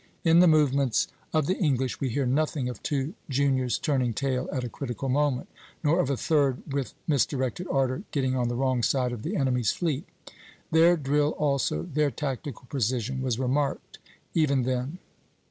In the movements of the English, we hear nothing of two juniors turning tail at a critical moment, nor of a third, with misdirected ardor, getting on the wrong side of the enemy's fleet. Their drill also, their tactical precision, was remarked even then.